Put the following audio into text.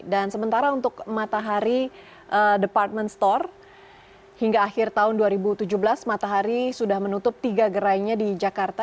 dan sementara untuk matahari department store hingga akhir tahun dua ribu tujuh belas matahari sudah menutup tiga gerainya di jakarta